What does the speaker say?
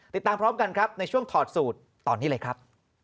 ติดตามพร้อมกันครับในช่วงถอดสูตรตอนนี้เลยครับ